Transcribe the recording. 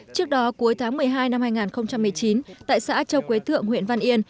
trước đó cuối tháng một mươi hai năm hai nghìn một mươi chín tại xã châu quế thượng huyện văn yên